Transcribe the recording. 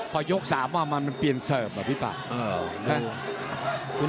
พอยกสามจะคะมันเปลี่ยนเสิร์ฟ